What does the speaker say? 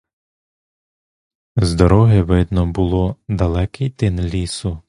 З дороги видно було далекий тин лісу.